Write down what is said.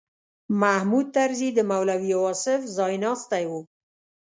محمود طرزي د مولوي واصف ځایناستی و.